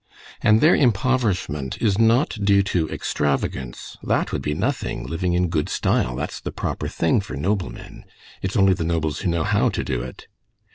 And their impoverishment is not due to extravagance—that would be nothing; living in good style—that's the proper thing for noblemen; it's only the nobles who know how to do it.